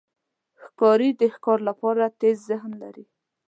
ښکاري د ښکار لپاره تېز ذهن لري.